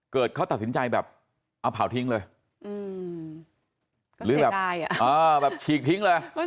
เกิดเขาตัดสินใจแบบเอาเผ่าทิ้งเลยก็เสียดายอ่ะอ่าแบบฉีกทิ้งเลย